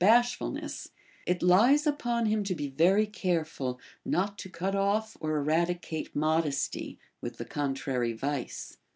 bashfulness, it lies upon him to be very careful not to cut off or eradicate modesty with the contrary vice.